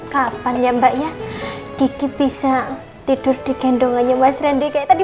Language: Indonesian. kapan ya mbaknya kiki bisa tidur di gendongannya mas rendi kayak tadi